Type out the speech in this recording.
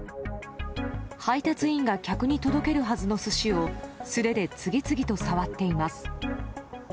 配達員が客に届けるはずの寿司を素手で次々と触っています。